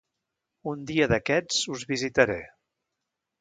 Un dia d'aquests us visitaré...